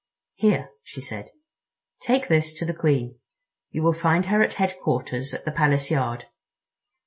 "Here," she said, "take this to the Queen. You will find her at Headquarters at the Palace yard.